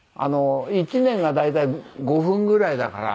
１年が大体５分ぐらいだから。